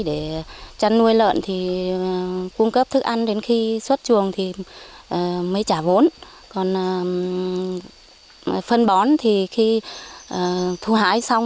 để chăn nuôi lợn thì cung cấp thức ăn đến khi xuất chuồng thì mới trả vốn còn phân bón thì khi thu hái xong